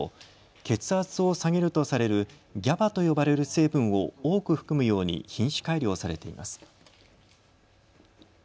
血圧を下げるとされるＧＡＢＡと呼ばれる成分を多く含むように品種改良されています。